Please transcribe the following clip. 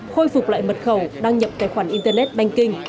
khôi phục lại mật khẩu đăng nhập tài khoản internet banking